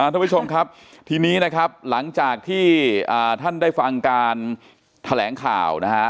ทุกผู้ชมครับทีนี้นะครับหลังจากที่ท่านได้ฟังการแถลงข่าวนะฮะ